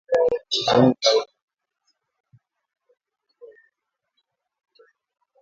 sehemu za uume wa fisi vitachangia pakubwa katika ukuaji wa uchumi wa Kenya